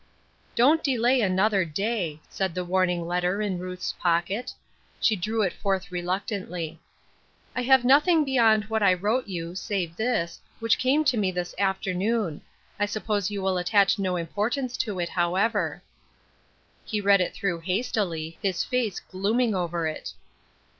" Don't delay another day," said the warning letter in Ruth's pocket. She drew it forth reluc tantly. "I have nothing beyond what I wrote you, save this, which came to me this afternoon. I suppose you will attach no importance to it, however." A PLAIN UNDERSTANDING. 203 He read it through hastily, his face glooming over it.